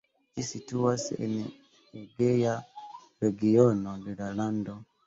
Ĝi situas en la Egea regiono de la lando.